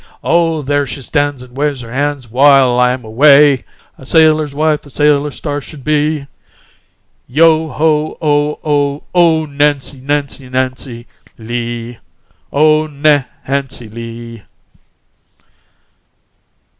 "Oh, there she stands and waves her hands while I'm away! A sail er's wife a sail er's star should be! Yo ho, oh, oh! Oh, Nancy, Nancy, Nancy Lee! Oh, Na hancy Lee!"